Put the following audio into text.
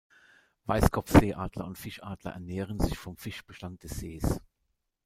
Weißkopfseeadler und Fischadler ernähren sich vom Fischbestand des Sees.